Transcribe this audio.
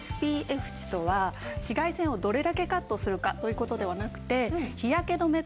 ＳＰＦ値とは紫外線をどれだけカットするかという事ではなくて日焼け止め